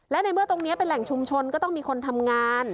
และในเมื่อตรงนี้เป็นแหล่งชุมชนก็ต้องมีคนทำงาน